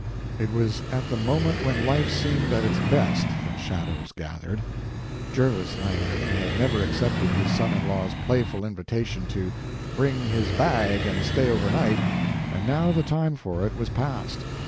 It was at the moment when life seemed at its best that shadows gathered. Jervis Langdon had never accepted his son in law's playful invitation to "bring his bag and stay overnight," and now the time for it was past.